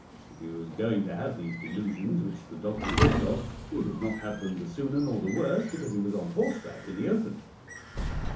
If he was going to have these delusions which the doctor talked of, he would not have them the sooner nor the worse because he was on horseback in the open.